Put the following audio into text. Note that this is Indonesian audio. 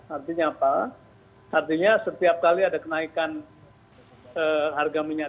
artinya apa artinya setiap kali ada kenaikan harga minyak